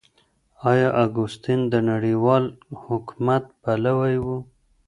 آيا اګوستين د نړيوال حکومت پلوي و؟